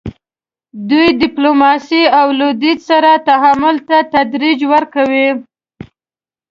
دوی ډیپلوماسۍ او لویدیځ سره تعامل ته ترجیح ورکوي.